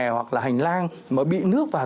hoặc là hành lang mà bị nước vào